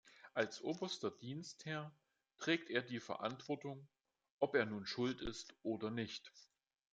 Als oberster Dienstherr trägt er die Verantwortung, ob er nun schuld ist oder nicht.